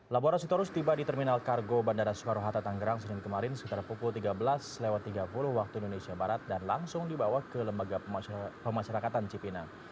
labora sitorus tiba di terminal kargo bandara soekarno hatta tanggerang senin kemarin sekitar pukul tiga belas tiga puluh waktu indonesia barat dan langsung dibawa ke lembaga pemasyarakatan cipinang